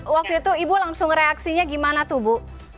waktu itu ibu langsung reaksinya gimana tuh bu